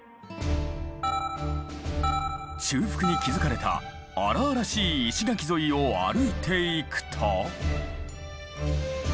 中腹に築かれた荒々しい石垣沿いを歩いていくと。